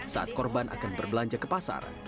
saat korban akan berbelanja ke pasar